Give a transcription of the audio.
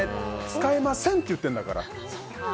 使えませんって言ってるんだから。